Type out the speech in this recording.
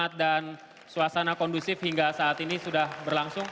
jadi kita aplaus bareng bareng untuk semangat dan suasana kondusif hingga saat ini sudah berlangsung